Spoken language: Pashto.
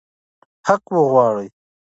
حق وغواړئ.